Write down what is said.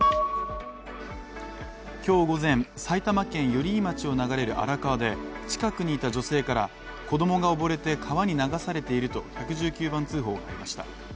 今日午前、埼玉県寄居町を流れる荒川で近くにいた女性から、子供が溺れて川に流されていると、１１９番通報がありました。